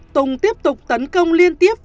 tùng tiếp tục tấn công liên tiếp